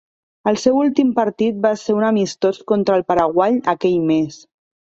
El seu últim partit va ser un amistós contra el Paraguai aquell mes.